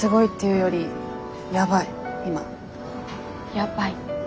やばい？